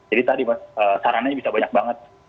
jadi tadi sarananya bisa banyak banget